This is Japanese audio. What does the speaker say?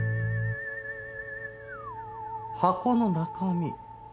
箱の中身。